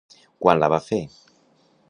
Quan la va fer?